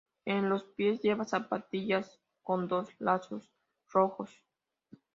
En los pies lleva zapatillas con dos lazos rojos.